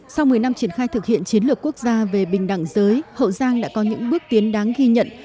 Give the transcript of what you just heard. sau một mươi năm triển khai thực hiện chiến lược quốc gia về bình đẳng giới hậu giang đã có những bước tiến đáng ghi nhận